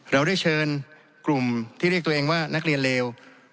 เราได้เชิญกลุ่มที่เรียกตัวเองว่านักเรียนเลว